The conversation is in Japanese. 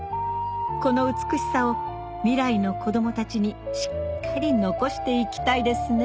この美しさを未来の子供たちにしっかり残していきたいですね